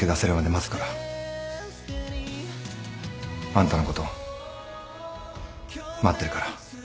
あんたのこと待ってるから。